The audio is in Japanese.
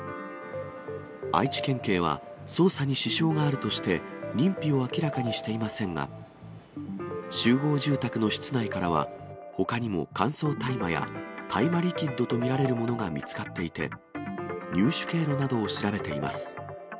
愛知県警は、捜査に支障があるとして認否を明らかにしていませんが、集合住宅の室内からは、ほかにも乾燥大麻や大麻リキッドと見られるものが見つかっていて、入手経路などを調べています。